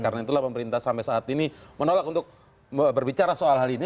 karena itulah pemerintah sampai saat ini menolak untuk berbicara soal hal ini